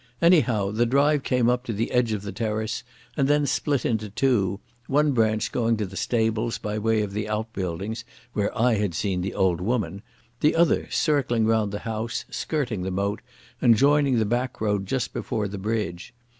Anyhow the drive came up to the edge of the terrace and then split into two, one branch going to the stables by way of the outbuildings where I had seen the old woman, the other circling round the house, skirting the moat, and joining the back road just before the bridge.